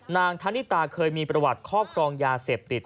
นางธนิตาเคยมีประวัติครอบครองยาเสพติด